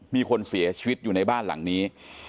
มีคนเสียชีวิตอยู่ในบ้านหลังนี้